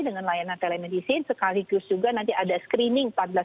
dengan layanan telemedicine sekaligus juga nanti ada screening empat belas pertanyaan